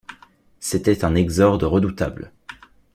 C’était un exorde redoutable.